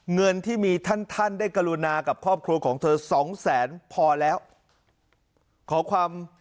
เงินที่มีท่านได้กรุณากับครอบครัวของเธอ๒แสนพอแล้ว